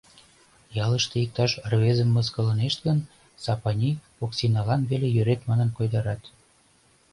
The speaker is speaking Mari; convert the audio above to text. Ялыште иктаж рвезым мыскылынешт гын, Сапаний Оксиналан веле йӧрет манын койдарат.